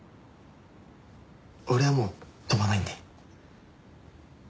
俺はもう跳ばないんで。